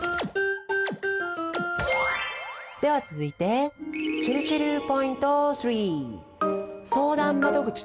では続いてちぇるちぇるポイント３。